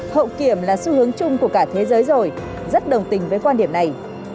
hậu kiểm là xu hướng chung của cả thế giới rồi rất đồng tình với quan điểm này